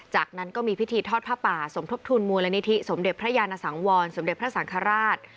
จากนั้นก็มีพิธีทอดผ้าป่าสมทบทุนมูลนิธิสมเด็จพระยานสังวรสมเด็จพระสังฆราช